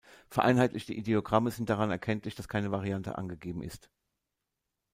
Vereinheitlichte Ideogramme sind daran erkenntlich, dass keine Variante angegeben ist.